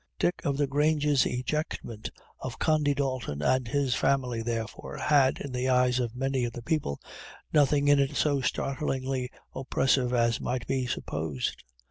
Dick o' the Grange's ejectment of Condy Dalton and his family, therefore, had, in the eyes of many of the people, nothing in it so startlingly oppressive as might be supposed.